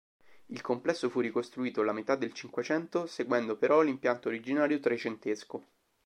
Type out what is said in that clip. Il complesso fu ricostruito alla metà del Cinquecento, seguendo però l'impianto originario trecentesco.